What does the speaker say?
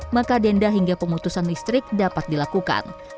maka denda hingga pemutusan listrik dapat dilakukan